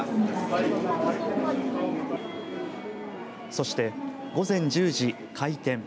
そして午前１０時開店。